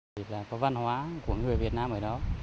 thì là có văn hóa của người việt nam ở đó